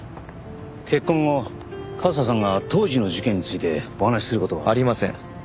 結婚後和沙さんが当時の事件についてお話しする事は？ありません。